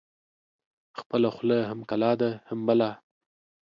خپله خوله هم کلا ده هم بلا.